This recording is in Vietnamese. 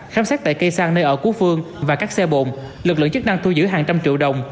khám xét tại cây xăng nơi ở của phương và các xe bồn lực lượng chức năng thu giữ hàng trăm triệu đồng